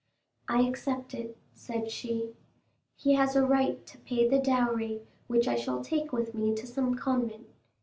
"I accept it," said she; "he has a right to pay the dowry, which I shall take with me to some convent!"